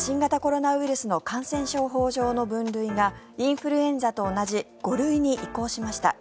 今日から新型コロナウイルスの感染症法上の分類がインフルエンザと同じ５類に移行しました。